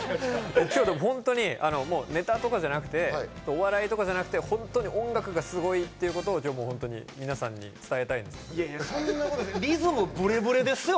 本当にネタとかじゃなくて、お笑いとかじゃなくて、本当に音楽がすごいということを皆さんにリズムブレブレですよ